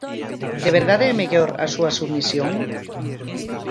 De verdade é mellor a súa submisión?